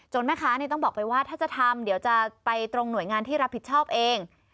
แม่ค้าต้องบอกไปว่าถ้าจะทำเดี๋ยวจะไปตรงหน่วยงานที่รับผิดชอบเอง